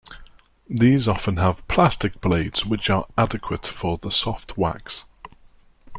These often have plastic blades, which are adequate for the soft wax.